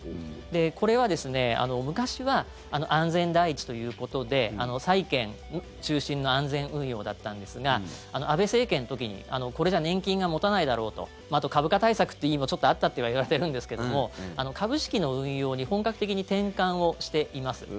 これは昔は安全第一ということで債券中心の安全運用だったんですが安倍政権の時にこれじゃ年金が持たないだろうとあと、株価対策という意味もちょっとあったとはいわれているんですけども株式の運用に本格的に転換をしています。